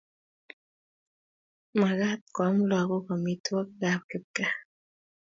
Magat koam lagok amitwogikab kipkaa